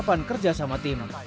tapan kerja sama tim